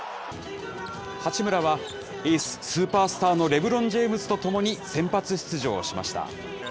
八村はエース、スーパースターのレブロン・ジェームズと共に先発出場しました。